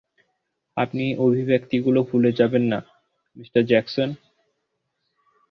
আপনি এই অভিব্যক্তিগুলো ভুলে যাবেন না, মি. জ্যাকসন?